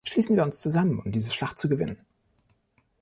Schließen wir uns zusammen, um diese Schlacht zu gewinnen!